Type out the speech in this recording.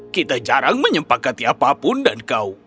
kita jarang menyempakati apapun dan kau